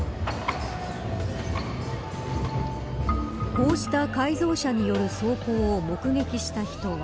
こうした改造車による走行を目撃した人は。